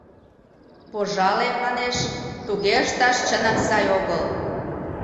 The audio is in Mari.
— Пожале, манеш, туге ышташ, чынак, сай огыл.